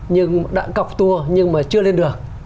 nhưng đã cọc tua nhưng mà chưa lên được